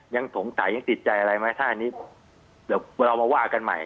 ยังสงสัยยังติดใจอะไรไหมถ้าอันนี้เดี๋ยวเรามาว่ากันใหม่